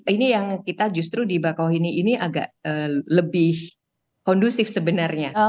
ini yang kita justru di bakauhini ini agak lebih kondusif sebenarnya